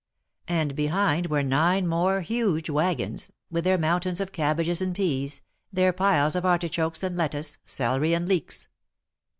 And behind were nine more huge wagons, with their mountains of cabbages and peas, their piles of artichokes and lettuce, celery and leeks.